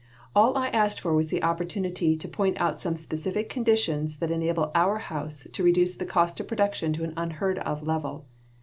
All I asked for was an opportunity "to point out some specific conditions that enable our house to reduce the cost of production to an unheard of level."